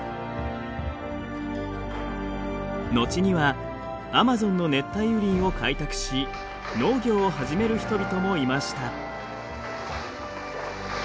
後にはアマゾンの熱帯雨林を開拓し農業を始める人々もいました。